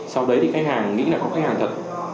sau đấy thì khách hàng nghĩ là có khách hàng thật